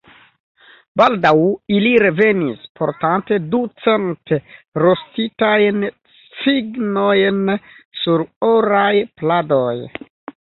Baldaŭ ili revenis, portante du cent rostitajn cignojn sur oraj pladoj.